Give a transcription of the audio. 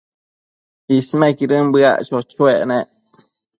Isquidën bëac cho-choec nec